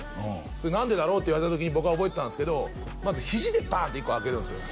それ何でだろうって言われた時に僕は覚えてたんすけどまず肘でバンッて１個あけるんすよ